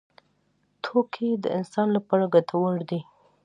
توکي د انسان لپاره ګټور دي.